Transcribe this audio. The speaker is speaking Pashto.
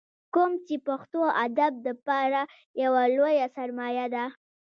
کوم چې پښتو ادب دپاره يوه لويه سرمايه ده ۔